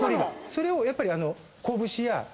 それをやっぱり拳や。